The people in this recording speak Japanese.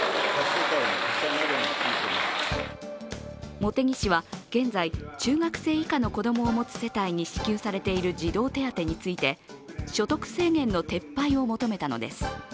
茂木氏は現在、中学生以下の子供を持つ世帯に支給されている児童手当について、所得制限の撤廃を求めたのです。